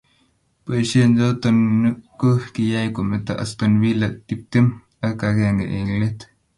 Baoishe choto ko kiyay kometa Aston Villa tiptem ak akenge eng let.